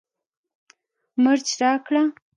مرچ راکړه